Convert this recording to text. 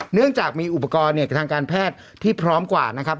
เนื่องจากมีอุปกรณ์ทางการแพทย์ที่พร้อมกว่านะครับ